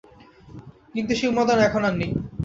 কিন্তু সেই উন্মাদনা এখন আর নেই।